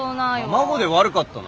卵で悪かったな！